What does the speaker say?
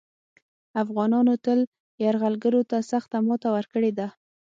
افغانانو تل یرغلګرو ته سخته ماته ورکړې ده